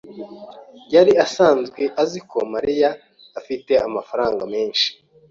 yari asanzwe azi ko Mariya afite amafaranga menshi.